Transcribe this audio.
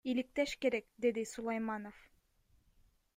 Иликтеш керек, — деди Сулайманов.